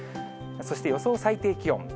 そして予想最低気温。